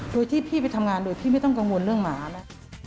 โดยที่พี่ไปทำงานโดยพี่ไม่ต้องกังวลเรื่องหมานะ